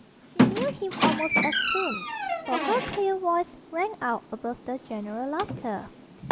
She knew him almost as soon, for her clear voice rang out above the general laughter.